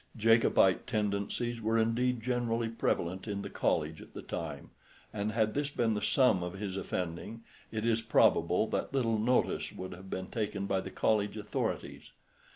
Jacobite tendencies were indeed generally prevalent in the College at the time, and had this been the sum of his offending, it is probable that little notice would have been taken by the College authorities.